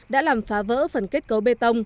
đã làm phá vỡ phần kết cấu bê tông